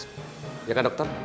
iya kan dokter